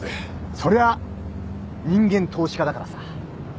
そりゃあ人間投資家だからさ。